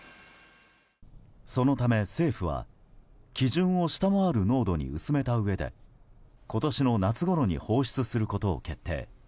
そのため政府は基準を下回る濃度に薄めたうえで今年の夏ごろに放出することを決定。